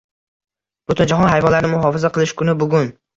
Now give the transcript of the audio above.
Butunjahon hayvonlarni muhofaza qilish kuni bugun.